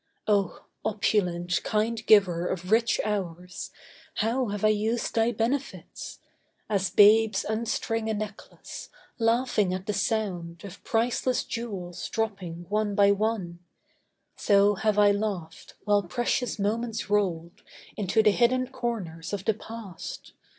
Oh, opulent, kind giver of rich hours, How have I used thy benefits! As babes Unstring a necklace, laughing at the sound Of priceless jewels dropping one by one, So have I laughed while precious moments rolled Into the hidden corners of the past.